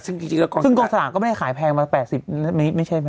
ซึ่งกองสลักก็ไม่ได้ขายแพงมา๘๐ไม่ใช่ไหม